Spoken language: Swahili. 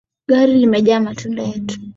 Gari limejaa matunda yetu